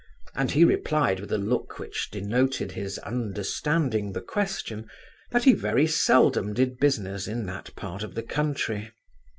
and he replied with a look which denoted his understanding the question, that he very seldom did business in that part of the country.